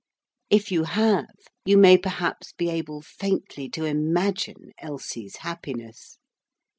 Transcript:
If you have, you may perhaps be able faintly to imagine Elsie's happiness.